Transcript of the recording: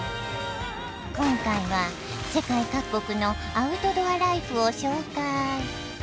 今回は世界各国のアウトドアライフを紹介。